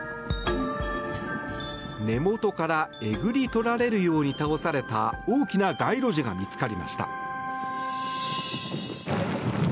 根元からえぐり取られるように倒された大きな街路樹が見つかりました。